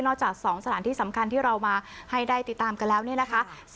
จาก๒สถานที่สำคัญที่เรามาให้ได้ติดตามกันแล้วเนี่ยนะคะ